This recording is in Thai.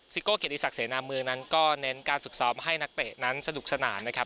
โก้เกียรติศักดิเสนาเมืองนั้นก็เน้นการฝึกซ้อมให้นักเตะนั้นสนุกสนานนะครับ